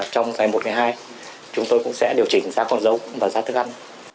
trong ngày một ngày hai chúng tôi cũng sẽ điều chỉnh giá con giống và giá thức ăn